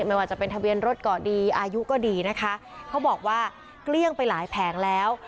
ไม่ว่าจะเป็นทะเบียนรถก็ดีอายุก็ดีนะคะเขาบอกว่าเกลี้ยงไปหลายแผงแล้ว